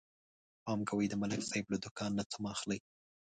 پام کوئ د ملک صاحب له دوکان نه څه مه اخلئ